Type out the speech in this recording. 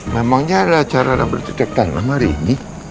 memangnya ada cara untuk bertitik tanam hari ini